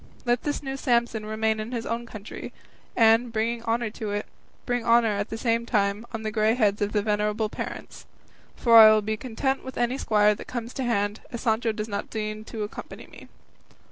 Let this new Samson remain in his own country, and, bringing honour to it, bring honour at the same time on the grey heads of his venerable parents; for I will be content with any squire that comes to hand, as Sancho does not deign to accompany me."